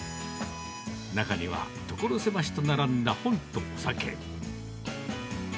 中には、所狭しと並んだ本とお酒。